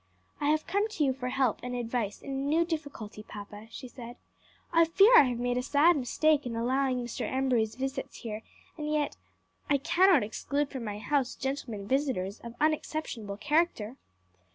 "I have come to you for help and advice in a new difficulty, papa," she said. "I fear I have made a sad mistake in allowing Mr. Embury's visits here; and yet I cannot exclude from my house gentlemen visitors of unexceptionable character."